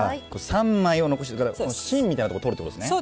３枚を残してだから芯みたいなとこ取るってことですね。